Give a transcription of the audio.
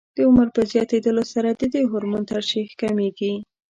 د عمر په زیاتېدلو سره د دې هورمون ترشح کمېږي.